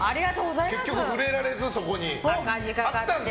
結局触れられず、そこに。